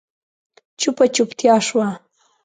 چوپه چوپتيا شوه.